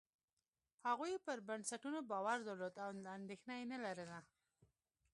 هغوی پر بنسټونو باور درلود او اندېښنه یې نه لرله.